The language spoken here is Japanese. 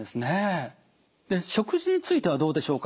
で食事についてはどうでしょうか。